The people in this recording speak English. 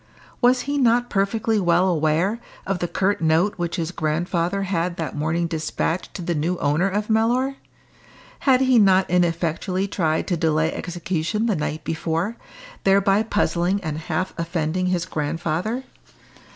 Was he not perfectly well aware of the curt note which his grandfather had that morning despatched to the new owner of Mellor? Had he not ineffectually tried to delay execution the night before, thereby puzzling and half offending his grandfather?